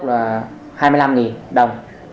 là hai mươi năm đồng